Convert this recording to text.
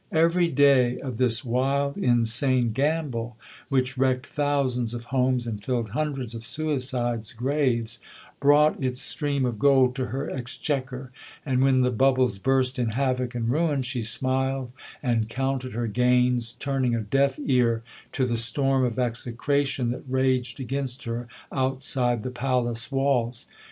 Every day of this wild, insane gamble, which wrecked thousands of homes, and filled hundreds of suicides' graves, brought its stream of gold to her exchequer; and when the bubbles burst in havoc and ruin she smiled and counted her gains, turning a deaf ear to the storm of execration that raged against her outside the palace walls.